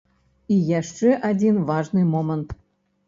І яшчэ адзін важны момант.